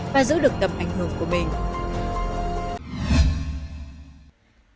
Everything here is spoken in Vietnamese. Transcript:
và giữ được tầm ảnh hưởng của mình